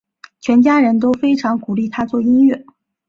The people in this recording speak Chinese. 全家人都非常鼓励他做音乐。